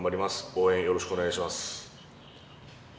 応援、よろしくお願いします。